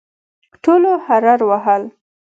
ټولو هررر وهل.